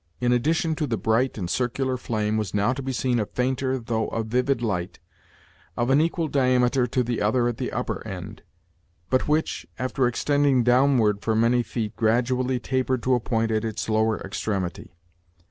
In addition to the bright and circular flame, was now to be seen a fainter, though a vivid light, of an equal diameter to the other at the upper end, but which, after extending downward for many feet, gradually tapered to a point at its lower extremity.